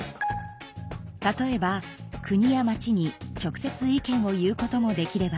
例えば国や町に直接意見を言うこともできれば。